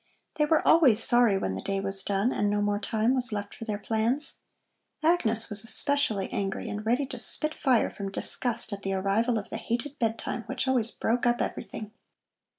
They were always sorry when the day was done and no more time was left for their plans. Agnes was especially angry and ready to spit fire from disgust at the arrival of the hated bedtime which always broke up everything.